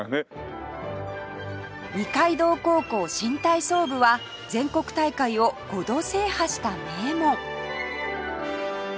二階堂高校新体操部は全国大会を５度制覇した名門